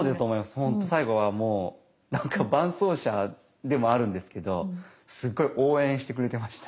本当最後はもう何か伴走者でもあるんですけどすごい応援してくれてました。